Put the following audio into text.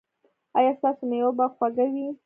ایا ستاسو میوه به خوږه وي؟